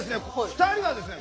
２人はですね